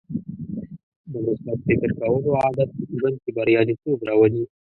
د مثبت فکر کولو عادت ژوند کې بریالیتوب راولي.